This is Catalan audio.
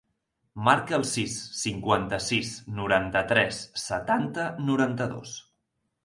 Marca el sis, cinquanta-sis, noranta-tres, setanta, noranta-dos.